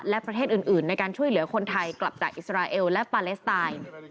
และประเทศอื่นในการช่วยเหลือคนไทยกลับจากอิสราเอลและปาเลสไตน์